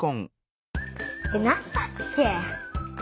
えっなんだっけ？